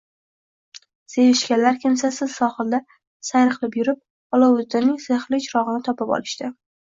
Sevishganlar kimsasiz sohilda sayr qilib yurib, Olovuddinning sehrli chirogʻini topib olishdi.